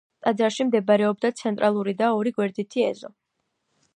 ტაძარში მდებარეობდა ცენტრალური და ორი გვერდითი ეზო.